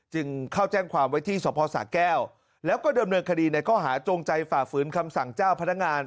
จึงเข้าแจ้งความไว้ที่สภสาแก้วแล้วก็ดำเนินคดีในข้อหาจงใจฝ่าฝืนคำสั่งเจ้าพนักงาน